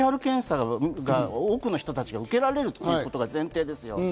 ＰＣＲ検査が多くの人たちが受けられるということが前提ですよ。